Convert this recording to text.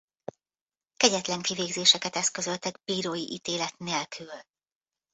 Kegyetlen kivégzéseket eszközöltek bírói ítélet nélkül.